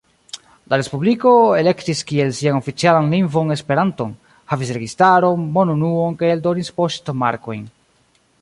La ”respubliko” elektis kiel sian oficialan lingvon Esperanton, havis registaron, monunuon kaj eldonis poŝtmarkojn.